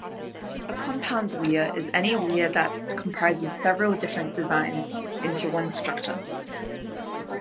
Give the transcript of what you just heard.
A compound weir is any weir that comprises several different designs into one structure.